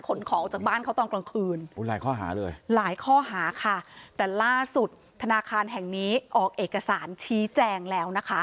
ก็คงบอกชื่อธนาคารได้แล้วเนอะ